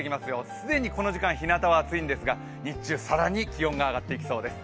既にこの時間、日なたは暑いんですが、日中更に気温が上がっていきそうです。